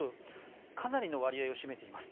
かなりの割合を占めています。